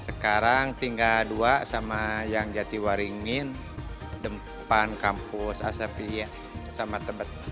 sekarang tinggal dua sama yang jati waringin dempan kampus asapia sama tebet